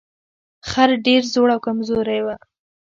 خر ډیر زوړ او کمزوری و.